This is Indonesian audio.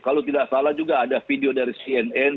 kalau tidak salah juga ada video dari cnn